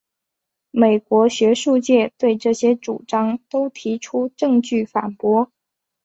美国学术界对这些主张都提出证据反驳。